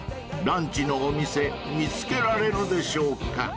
［ランチのお店見つけられるでしょうか？］